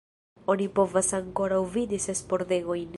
Oni povas ankoraŭ vidi ses pordegojn.